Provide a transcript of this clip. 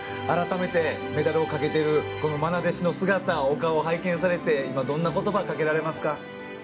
改めて、メダルをかけている愛弟子の素顔、お顔を拝見されて今、どんな言葉をかけられますか。